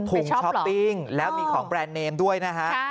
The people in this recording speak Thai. ช้อปปิ้งแล้วมีของแบรนด์เนมด้วยนะฮะ